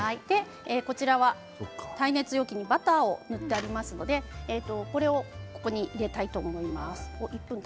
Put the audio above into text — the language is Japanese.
こちらは耐熱容器にバターを塗ってありますのでここに入れたいと思います。